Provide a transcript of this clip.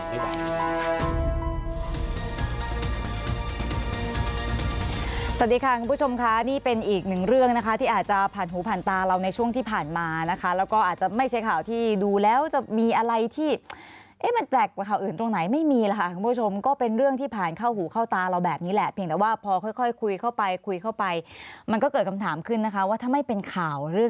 สวัสดีค่ะคุณผู้ชมค่ะนี่เป็นอีกหนึ่งเรื่องนะคะที่อาจจะผ่านหูผ่านตาเราในช่วงที่ผ่านมานะคะแล้วก็อาจจะไม่ใช่ข่าวที่ดูแล้วจะมีอะไรที่เอ๊ะมันแปลกกว่าข่าวอื่นตรงไหนไม่มีล่ะค่ะคุณผู้ชมก็เป็นเรื่องที่ผ่านเข้าหูเข้าตาเราแบบนี้แหละเพียงแต่ว่าพอค่อยคุยเข้าไปคุยเข้าไปมันก็เกิดคำถามขึ้นนะคะว่าถ้าไม่เป็นข่าวเรื่อง